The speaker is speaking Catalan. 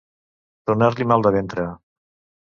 Donar-li mal de ventre.